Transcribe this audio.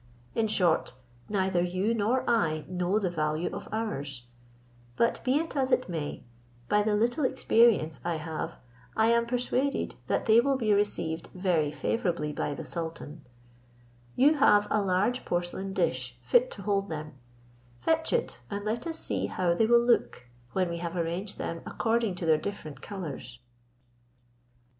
In short, neither you nor I know the value of ours; but be it as it may, by the little experience I have, I am persuaded that they will be received very favourably by the sultan: you have a large porcelain dish fit to hold them; fetch it, and let us see how they will look, when we have arranged them according to their different colours."